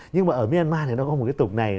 nhưng mà ở myanmar thì nó có một cái tục này